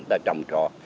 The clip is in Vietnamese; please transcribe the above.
người ta trồng trò